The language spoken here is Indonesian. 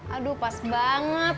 aduh pas banget